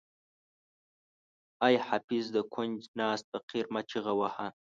ای حافظ د کونج ناست فقیر مه چیغه وهه.